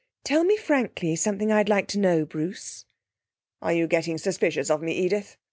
'Tell me, frankly, something I'd like to know, Bruce.' 'Are you getting suspicious of me, Edith?